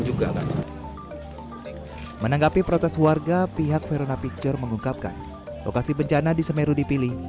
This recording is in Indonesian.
juga menanggapi protes warga pihak verona picture mengungkapkan lokasi bencana di semeru dipilih